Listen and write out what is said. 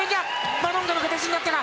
マロンガの形になったか。